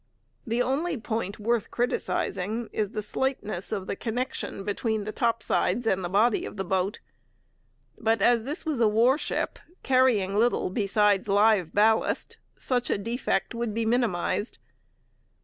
The only point worth criticizing is the slightness of the connection between the topsides and the body of the boat. But as this was a warship, carrying little besides live ballast, such a defect would be minimized.